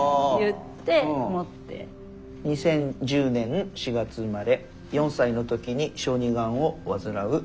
「２０１０年４月生まれ４歳のときに小児がんを患う。